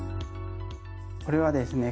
これはですね